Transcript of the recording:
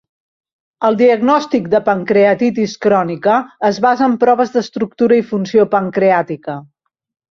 El diagnòstic de pancreatitis crònica es basa en proves d'estructura i funció pancreàtica.